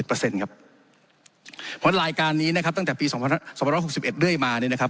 เพราะว่ารายการนี้ตั้งแต่ปี๒๑๖๑ด้วยมาเนี้ยนะ